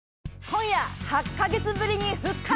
今夜、８か月ぶりに復活！